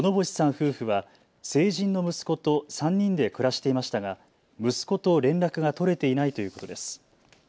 夫婦は成人の息子と３人で暮らしていましたが息子と連絡が取れていないということです。